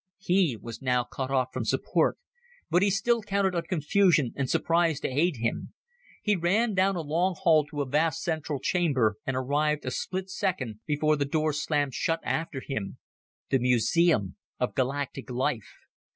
He was now cut off from support. But he still counted on confusion and surprise to aid him. He ran down a long hall to a vast central chamber and arrived a split second before the door slammed shut after him. The museum of galactic life!